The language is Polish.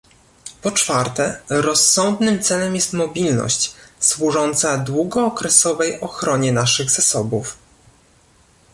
Po czwarte, rozsądnym celem jest mobilność, służąca długookresowej ochronie naszych zasobów